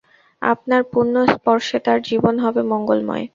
আপনার পুণ্য স্পর্শে তার জীবন হবে মঙ্গলময়।